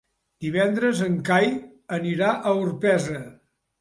Divendres en Cai anirà a Orpesa.